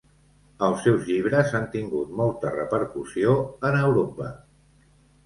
Els seus llibres han tingut molta repercussió en Europa.